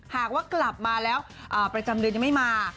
หากว่ากลับมาแล้วประจำเดือนยังไม่มา